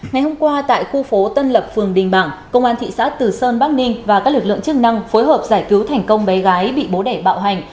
ngày hôm qua tại khu phố tân lập phường đình bảng công an thị xã từ sơn bắc ninh và các lực lượng chức năng phối hợp giải cứu thành công bé gái bị bố đẻ bạo hành